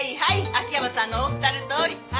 秋山さんのおっしゃるとおり。